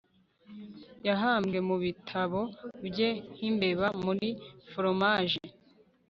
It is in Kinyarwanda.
Yahambwe mubitabo bye nkimbeba muri foromaje